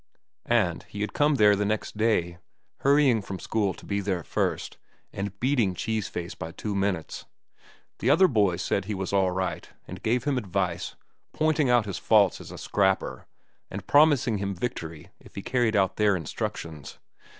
And he had come there the next day, hurrying from school to be there first, and beating Cheese Face by two minutes. The other boys said he was all right, and gave him advice, pointing out his faults as a scrapper and promising him victory if he carried out their instructions.